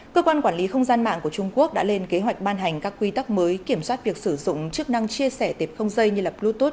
cơ quan quản lý không gian mạng của trung quốc đã lên kế hoạch ban hành các quy tắc mới kiểm soát việc sử dụng chức năng chia sẻ tiệp không dây như bluetooth